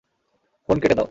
Phone কেটে দাও।